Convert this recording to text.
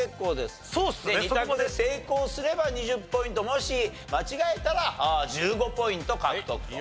２択で成功すれば２０ポイントもし間違えたら１５ポイント獲得と。